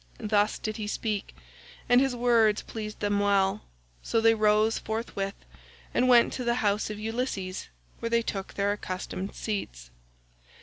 Thus did he speak, and his words pleased them well, so they rose forthwith and went to the house of Ulysses, where they took their accustomed seats.